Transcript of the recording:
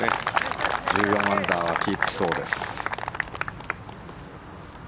１４アンダーはキープしそうです。